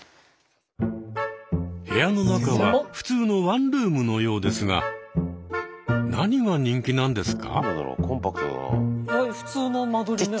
部屋の中は普通のワンルームのようですが何が人気なんですか？